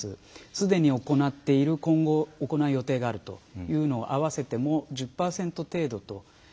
すでに行っている今後行う予定があるというのを合わせても１０％程度ということです。